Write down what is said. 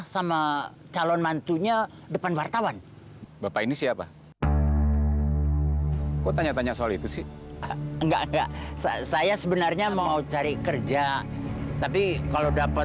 saya akan mencari nona